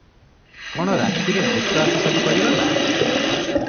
କଣ ରାତିରେ ଭୁତ ଆସି ସବୁ କରିଗଲା?